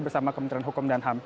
bersama kementerian hukum dan ham